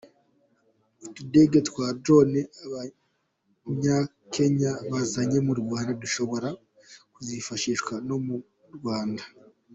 Utudege twa drone abanyakenya bazanye mu Rwanda dushobora kuzifashishwa no mu Rwanda.